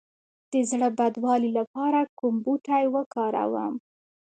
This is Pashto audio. د زړه بدوالي لپاره کوم بوټی وکاروم؟